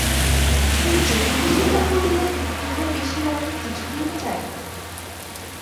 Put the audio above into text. এই যেটুকু স্বীকার করিলে ইহার বেশি আর আমি কিছুই চাই না।